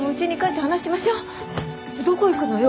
てどこ行くのよ？